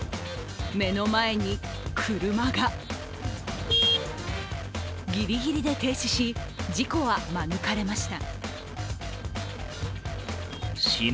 目の前に車がぎりぎりで停止し、事故は免れました。